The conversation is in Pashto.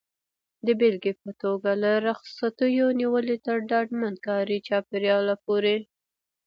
د بېلګې په توګه له رخصتیو نیولې تر ډاډمن کاري چاپېریال پورې.